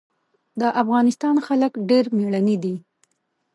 د افغانستان خلک ډېر مېړني دي.